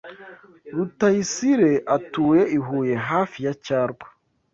Rutayisire atuye i Huye hafi ya Cyarwa